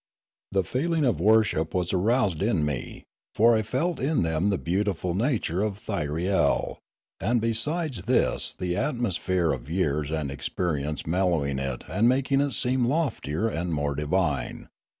The feeling of worship was aroused in me, for I felt in them the beautiful nature of Thyriel, and besides this the atmosphere of years and experience mellowing it and making it seem loftier and more divine.